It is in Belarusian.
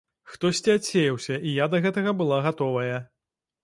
Хтосьці адсеяўся, і я да гэтага была гатовая.